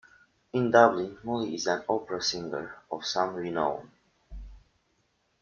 In Dublin, Molly is an opera singer of some renown.